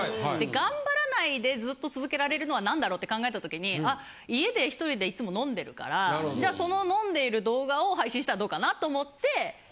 頑張らないでずっと続けられるのは何だろうって考えた時にあっ家で１人でいつも飲んでるからじゃあその飲んでいる動画を配信したらどうかなと思ってちょっと気軽に始めてみた。